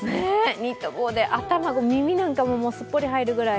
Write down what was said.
ニット帽で、頭、耳なんかもすっぽり入るぐらい。